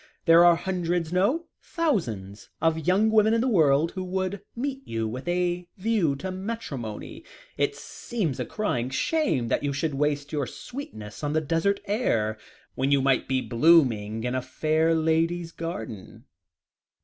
There are hundreds no thousands of young women in the world, who would 'meet you with a view to matrimony.' It seems a crying shame that you should waste your sweetness on the desert air when you might be blooming in a fair lady's garden."